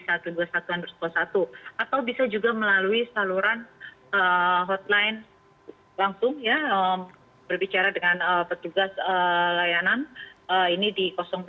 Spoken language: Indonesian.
atau bisa juga melalui saluran hotline langsung ya berbicara dengan petugas layanan ini di dua puluh satu satu ratus dua puluh satu